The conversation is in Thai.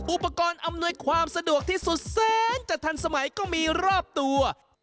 อุปกรณ์อำนวยความสะดวกที่สุดแสนจะทันสมัยก็มีรอบตัว